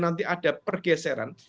nanti ada pergeseran